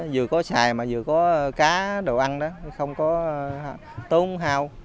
vừa có xài mà vừa có cá đồ ăn đó không có tốn hao